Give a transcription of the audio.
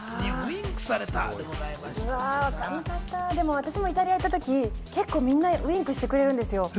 私もイタリアに行った時、みんなウインクしてくれるんですよ。